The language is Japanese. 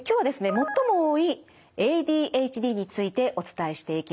最も多いＡＤＨＤについてお伝えしていきます。